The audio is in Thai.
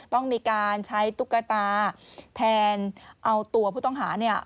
ต้องมีการใช้ตุ๊กตาแทนเอาตัวผู้ต้องหาเนี่ย